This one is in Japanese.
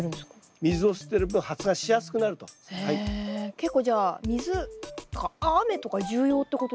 結構じゃあ水雨とか重要ってことですか？